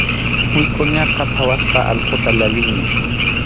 Wikʼuñaqa phawaspa allquta llallinmi.